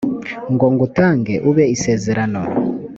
ngo ngutange ube isezerano